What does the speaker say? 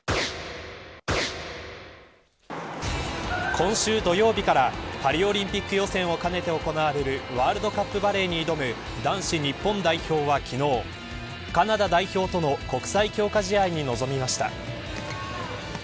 今週土曜日からパリオリンピック予選をかねて行われるワールドカップバレーに挑む男子日本代表は昨日カナダ代表との国際強化試合に臨みました。